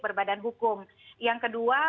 berbadan hukum yang kedua